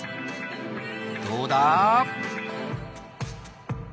どうだ。